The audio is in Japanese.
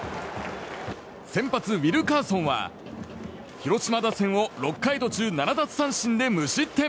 先発ウィルカーソンは広島打線を６回途中７奪三振で無失点。